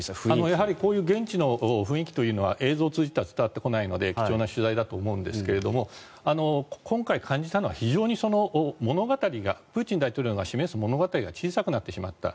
やはりこういう現地の雰囲気というのは映像を通じては伝わってこないので貴重な取材だと思うんですが今回、感じたのはプーチン大統領が示す物語が小さくなってしまった。